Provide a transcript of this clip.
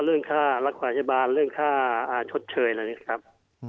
เรื่องค่ารักษาพยาบาลเรื่องค่าชดเชยเหล่านี้ครับ